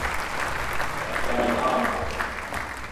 گردنها